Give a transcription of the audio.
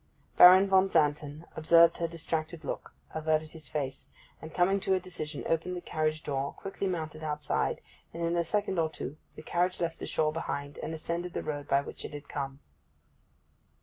Baron von Xanten observed her distracted look, averted his face, and coming to a decision opened the carriage door, quickly mounted outside, and in a second or two the carriage left the shore behind, and ascended the road by which it had come.